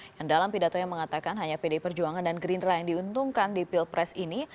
yang dalam pidatonya mengatakan hanya pdi perjuangan dan gerindra yang diuntungkan di pilpres ini